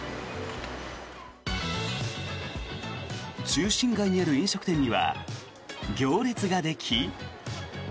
中心街にある飲食店には行列ができ。